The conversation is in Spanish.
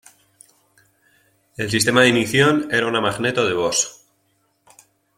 El sistema de ignición era una magneto de Bosch.